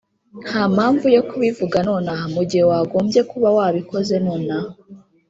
ntampamvu yo kubivuga nonaha mugihe wagombye kuba wabikoze nonaha.